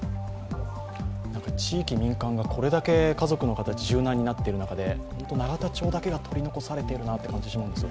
地域・民間がこれだけ家族の形が柔軟になっている中で永田町だけが取り残されているなと感じてしまうんですよ。